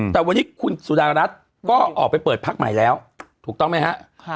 แต่วันนี้คุณสุดารัฐก็ออกไปเปิดพักใหม่แล้วถูกต้องไหมฮะ